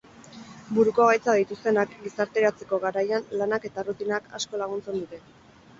Buruko gaitzak dituztenak gizarteratzeko garaian lanak eta errutinak asko laguntzen dute.